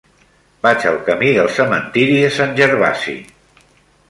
Vaig al camí del Cementiri de Sant Gervasi.